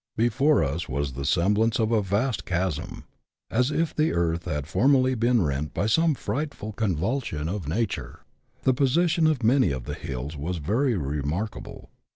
Before us was the semblance of a vast chasm, as if the earth had formerly been rent by some frightful convulsion of nature. The position of many of the hills was very remark able.